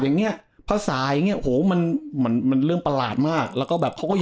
อย่างเงี้ยภาษาอย่างเงี้โหมันมันเรื่องประหลาดมากแล้วก็แบบเขาก็